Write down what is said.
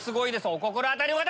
お心当たりの方！